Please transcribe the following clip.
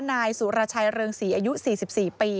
นายสุรชัยเรืองศรีอายุ๔๔ปี